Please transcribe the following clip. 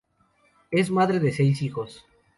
Es madre de seis hijos.